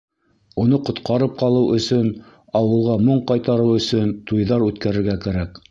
Уны ҡотҡарып ҡалыу өсөн, ауылға моң ҡайтарыу өсөн, туйҙар үткәрергә кәрәк!